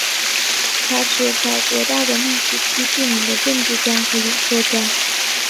他是法国大革命时期著名的政治家和演说家。